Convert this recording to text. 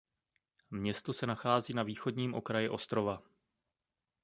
Město se nachází na východním okraji ostrova.